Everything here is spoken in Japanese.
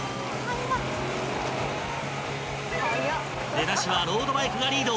［出だしはロードバイクがリード］